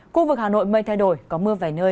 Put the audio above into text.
khu vực hà nội mây thay đổi có mưa vài nơi